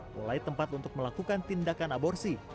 mulai tempat untuk melakukan tindakan aborsi